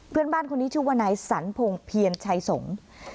เพื่อนบ้านคนนี้ชื่อว่าไหนสันโผงเพียนชายสงฯ